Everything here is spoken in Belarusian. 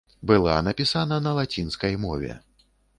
Была напісана на лацінскай мове.